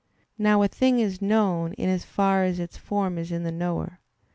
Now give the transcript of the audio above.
Now a thing is known in as far as its form is in the knower.